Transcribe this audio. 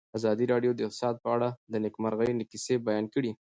ازادي راډیو د اقتصاد په اړه د نېکمرغۍ کیسې بیان کړې.